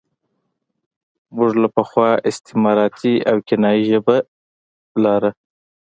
موږ له پخوا استعارتي او کنايي ژبه لاره.